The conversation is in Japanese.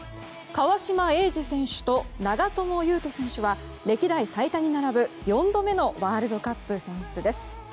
川島永嗣選手と長友佑都選手は歴代最多に並ぶ、４度目のワールドカップ選出です。